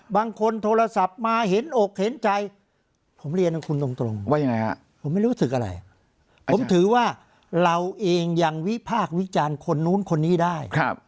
โทรศัพท์มาเห็นอกเห็นใจผมเรียนของคุณตรงว่ายังไงฮะผมไม่รู้สึกอะไรผมถือว่าเราเองยังวิพากษ์วิจารณ์คนนู้นคนนี้ได้